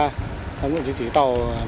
các cán bộ chiến sĩ tàu